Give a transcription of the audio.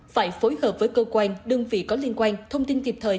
phải phối hợp với cơ quan đơn vị có liên quan thông tin kịp thời